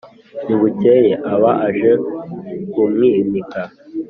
ntibukeye aba aje kukwimika